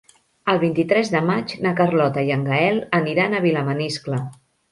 El vint-i-tres de maig na Carlota i en Gaël aniran a Vilamaniscle.